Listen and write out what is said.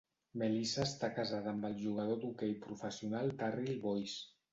Melissa està casada amb el jugador d'hoquei professional Darryl Boyce.